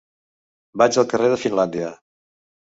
Vaig al carrer de Finlàndia.